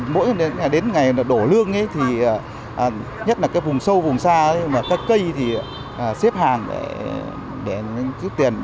mỗi lần đến ngày đổ lương nhất là vùng sâu vùng xa các cây xếp hàng để rút tiền